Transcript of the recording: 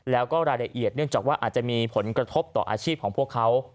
แล้วก็รายละเอียดเนื่องจากว่าอาจจะมีผลกระทบต่ออาชีพของพวกเขา